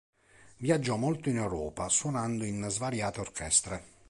Viaggiò molto in Europa, suonando in svariate orchestre.